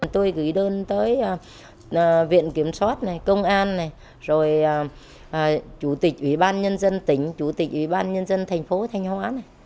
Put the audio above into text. tôi gửi đơn tới viện kiểm soát công an chủ tịch ủy ban nhân dân tỉnh chủ tịch ủy ban nhân dân thành phố thành hóa